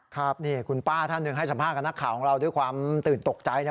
ครับนี่คุณป้าท่านนึงให้สัมภาพกับนะชนะของเราร์ด้วยความตื่นตกใจนะ